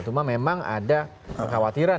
cuma memang ada kekhawatiran